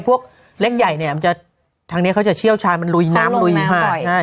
พวกเล็กใหญ่ทางนี้เขาจะเชี่ยวชายมันลุยน้ำลุยมาก